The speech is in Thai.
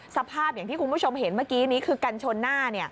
สภาพอย่างที่คุณผู้ชมเห็นเมื่อกี้นี้คือกันชนหน้า